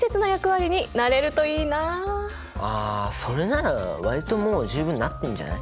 あそれなら割ともう十分なってんじゃない？